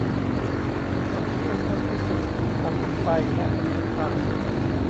คำสั่งที่เข้มงวดที่สุดถูกสั่งออกไปและปฏิบัติตาม